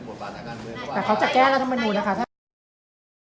แต่เขาจะแก้แล้วทั้งมนุษย์นะคะ